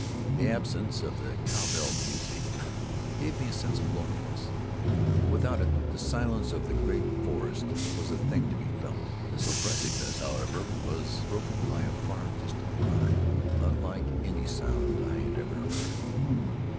The absence of the cowbell music gave me a sense of loneliness, for without it the silence of the great forest was a thing to be felt. This oppressiveness, however, was broken by a far distant cry, unlike any sound I had ever heard.